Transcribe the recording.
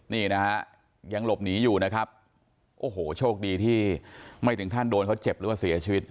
นี่นะฮะยังหลบหนีอยู่นะครับโอ้โหโชคดีที่ไม่ถึงขั้นโดนเขาเจ็บหรือว่าเสียชีวิต